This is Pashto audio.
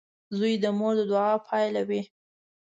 • زوی د مور د دعا پایله وي.